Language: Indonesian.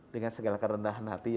dengan segala kerendahan hati